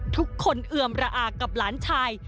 ทุกคนเอือมระอากับหลานชาย